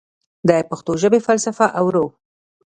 د پښتو ژبې فلسفه او روح